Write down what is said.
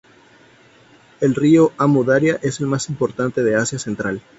El río Amu Daria es el más importante de Asia Central.